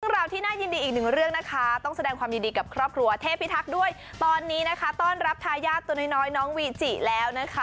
ราวที่น่ายินดีอีกหนึ่งเรื่องนะคะต้องแสดงความยินดีกับครอบครัวเทพิทักษ์ด้วยตอนนี้นะคะต้อนรับทายาทตัวน้อยน้องวีจิแล้วนะคะ